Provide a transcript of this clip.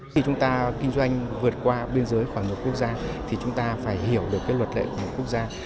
khi chúng ta kinh doanh vượt qua biên giới khoảng một quốc gia thì chúng ta phải hiểu được luật lệ của một quốc gia